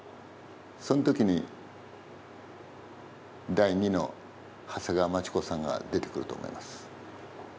そんときに第二の長谷川町子さんが出てくると思います。